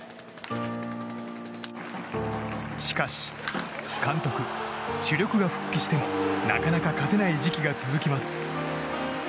しかし監督、主力が復帰してもなかなか勝てない時期が続きます。